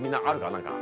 何か。